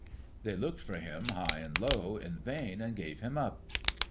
' They looked for him high and low, in vain, and gave him up.